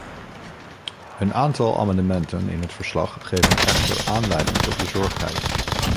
Een aantal amendementen in het verslag geven echter aanleiding tot bezorgdheid.